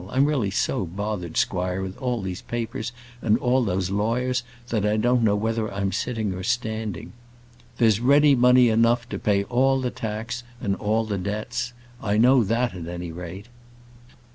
I'm really so bothered, squire, with all these papers, and all those lawyers, that I don't know whether I'm sitting or standing. There's ready money enough to pay all the tax and all the debts. I know that, at any rate."